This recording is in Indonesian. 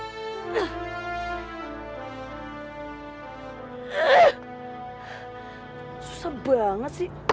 susah banget sih